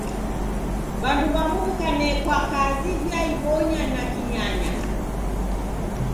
W'andu w'amu w'ikanekwa kazi, w'aibonya na kinyanya.